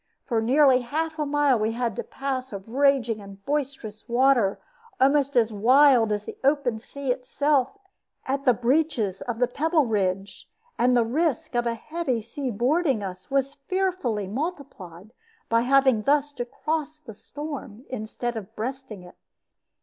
For nearly half a mile had we to pass of raging and boisterous water, almost as wild as the open sea itself at the breaches of the pebble ridge. And the risk of a heavy sea boarding us was fearfully multiplied by having thus to cross the storm instead of breasting it.